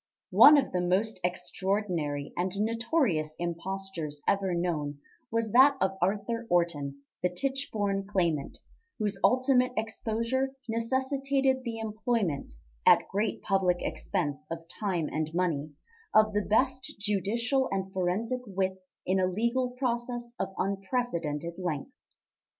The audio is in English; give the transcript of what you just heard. One of the most extraordinary and notorious impostures ever known was that of Arthur Orton, the Tichborne Claimant, whose ultimate exposure necessitated the employment, at great public expense of time and money, of the best judicial and forensic wits in a legal process of unprecedented length.